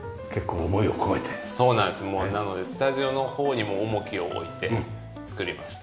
なのでスタジオの方に重きを置いて造りました。